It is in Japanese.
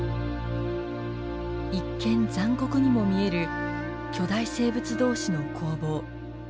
一見残酷にも見える巨大生物同士の攻防。